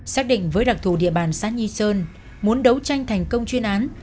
xác định với đặc thù địa bàn xã nhi sơn muốn đấu tranh thành công chuyên án